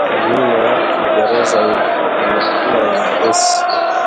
Nomino ya kingereza inakuwa nyepesi